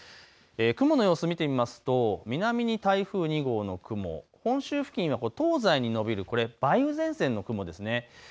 雲の様子を見てみますと南に台風２号の雲、本州付近は東西に延びるこれ、梅雨前線の雲です。